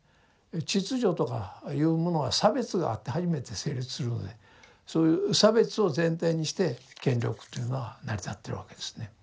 秩序とかいうものは差別があって初めて成立するのでそういう差別を前提にして権力というのは成り立ってるわけですね。